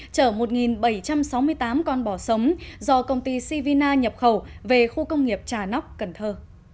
chở một bảy trăm sáu mươi tám con bò sống do công ty sivina nhập khẩu về khu công nghiệp trà nóc cần thơ